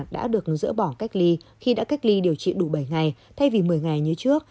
đã được dỡ bỏ cách ly khi đã cách ly điều trị đủ bảy ngày thay vì một mươi ngày như trước